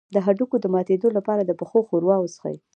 د هډوکو د ماتیدو لپاره د پښو ښوروا وڅښئ